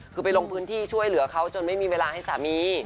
คือไปลงพื้นที่ช่วยเหลือเขาจนไม่มีเวลาให้สามี